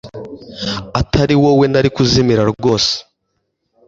utari wowe nari kuzimira rwose